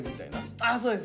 あそうです！